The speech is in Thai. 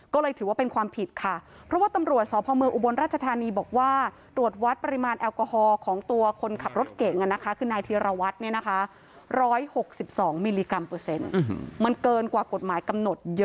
ก็เลยถือว่าเป็นความผิดค่ะ